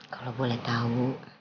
kalo boleh tau